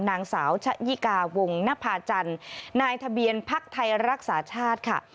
นางสาวชะยิกาวงนภาจันทร์นายทะเบียนพักไทยรักษาชาติค่ะ